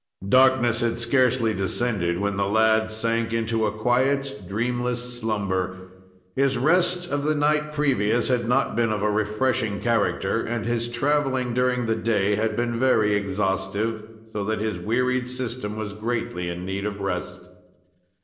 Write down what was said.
Darkness had scarcely descended, when the lad sank into a quiet, dreamless slumber. His rest of the night previous had not been of a refreshing character, and his traveling during the day had been very exhaustive, so that his wearied system was greatly in need of rest.